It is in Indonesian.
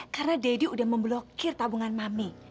karena daddy udah memblokir tabungan mami